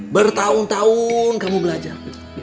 bertahun tahun kamu belajar